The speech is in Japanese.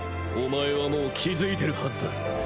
お前はもう気づいてるはずだ。